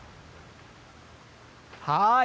はい。